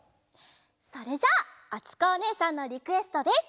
それじゃああつこおねえさんのリクエストです。